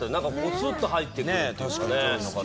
スッと入ってくるというかね。